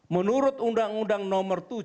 menurut undang undang nomor tujuh